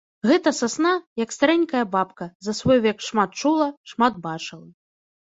Гэта сасна, як старэнькая бабка, за свой век шмат чула, шмат бачыла.